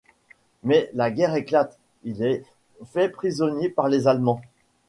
Mais la guerre éclate, il est fait prisonnier par les Allemands.